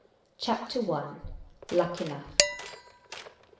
CHAPTER I. LUCKENOUGH.